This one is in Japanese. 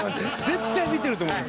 絶対見てると思いますよ。